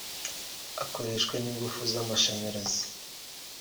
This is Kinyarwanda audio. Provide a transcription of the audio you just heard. akoreshwa n’ingufu z’amashanyarazi